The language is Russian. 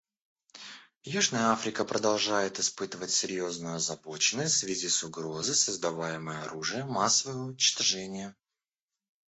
Южная Африка продолжает испытывать серьезную озабоченность в связи с угрозой, создаваемой оружием массового уничтожения.